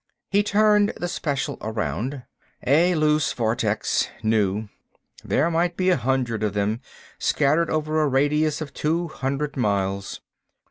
He turned the Special around. A loose vortex—new. There might be a hundred of them, scattered over a radius of two hundred miles.